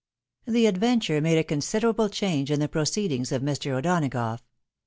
This adventure made a considerable change in the proceedings of Mr. O'Donagough.